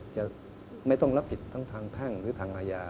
จะไม่ต้องรับผิดทั้งทางแพ่งหรือทางอาญา